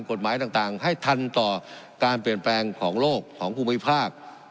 กฎหมายต่างให้ทันต่อการเปลี่ยนแปลงของโลกของภูมิภาค